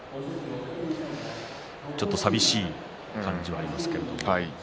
ちょっと寂しい感じはありますね。